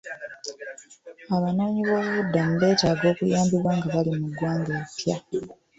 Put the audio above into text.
Abanoonyiboobubuddamu beetaaga okuyambibwa nga bali mu ggwanga eppya.